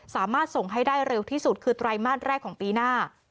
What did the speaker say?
สามารถส่งให้ได้เร็วที่สุดคือไตรมาสแรกของปีหน้า